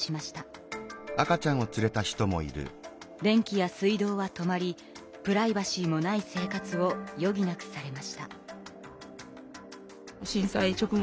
電気や水道は止まりプライバシーもない生活をよぎなくされました。